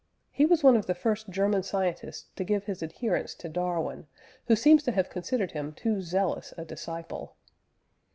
He was one of the first German scientists to give his adherence to Darwin, who seems to have considered him too zealous a disciple.